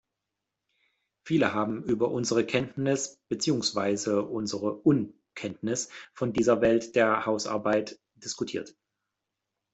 Viele haben über unsere Kenntnis, beziehungsweise unsere Unkenntnis von dieser Welt der Hausarbeit diskutiert.